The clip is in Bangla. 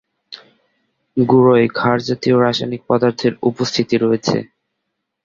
গুড়োয় ক্ষারজাতীয় রাসায়নিক পদার্থের উপস্থিতি রয়েছে।